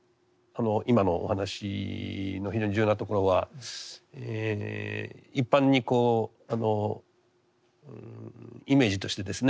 今のお話の非常に重要なところは一般にこうイメージとしてですね